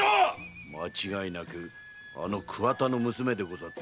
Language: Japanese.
間違いなくあの桑田の娘でござった。